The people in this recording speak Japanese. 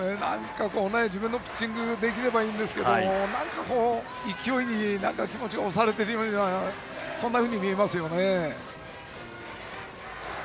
自分のピッチングができればいいんですけど勢いに気持ちが押されているようにそんなふうに見えますよね。